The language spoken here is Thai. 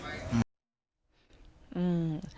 อืม